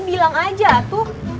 bilang aja tuh